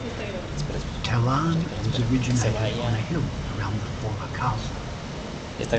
Talarn was originated on a hill around the former castle.